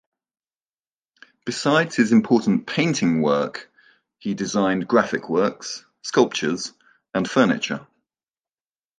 Beside his important painting work, he designed graphic works, sculptures and furniture.